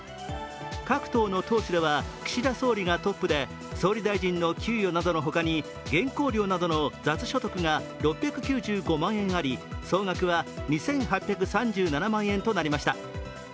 各党の党首では岸田総理がトップで総理大臣の給与などのほかに原稿料などの雑所得が６９５万円あり総額は２８３７万円となりました。